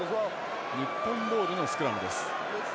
日本ボールのスクラムです。